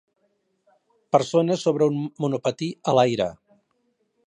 persona sobre un monopatí a l"aire.